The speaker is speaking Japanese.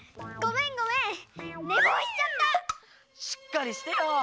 しっかりしてよ！